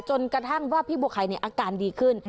จนกระทั่งว่าพี่บัวไข่อาการดีขึ้น